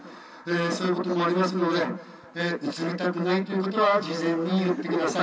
そういうこともありますので映りたくないという方は事前に言ってください。